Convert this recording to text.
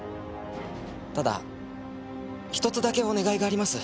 ただ１つだけお願いがあります。